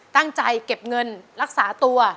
กั้นไจเก็บเงินรักษาตัว